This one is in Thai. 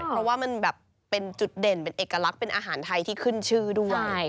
เพราะว่ามันแบบเป็นจุดเด่นเป็นเอกลักษณ์เป็นอาหารไทยที่ขึ้นชื่อด้วย